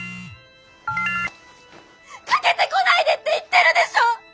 かけてこないでって言ってるでしょ！